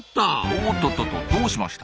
おっとっとっとどうしました？